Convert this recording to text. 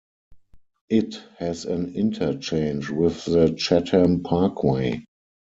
It has an interchange with the Chatham Parkway.